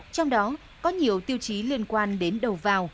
trong đó có nhiều tiêu chí liên quan đến đầu vào